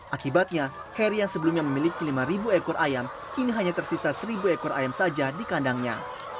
akibatnya heri yang sebelumnya memiliki lima ekor ayam kini hanya tersisa seribu ekor ayam saja di kandangnya